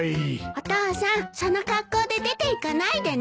お父さんその格好で出ていかないでね。